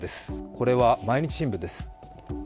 これは「毎日新聞」です。